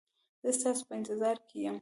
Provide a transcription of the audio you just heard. زه ستاسو په انتظار کې یم